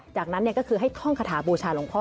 จากนั้นก็คือให้ท่องคาถาบูชาหลวงพ่อ